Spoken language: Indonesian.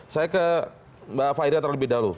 saya ke mbak faira terlebih dahulu